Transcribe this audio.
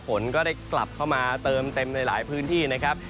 ฝนก็ได้กลับเข้ามาเติมเต็มในหลายพื้นที่นะครับ